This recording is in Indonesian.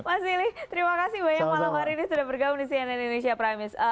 oke mas ili terima kasih banyak malam hari ini sudah bergaun di cnn indonesia primis